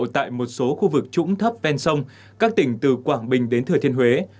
tại một số khu vực trũng thấp ven sông các tỉnh từ quảng bình đến thừa thiên huế